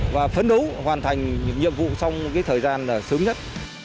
và phấn đấu hoàn thành những nhiệm vụ trong thời gian sớm nhất